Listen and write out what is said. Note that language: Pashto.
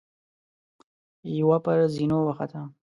يوه پر زينو وخته.